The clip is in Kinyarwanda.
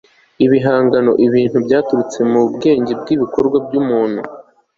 ibihangano ibintu byaturutse mu bwenge n'ibikorwa by'umuntu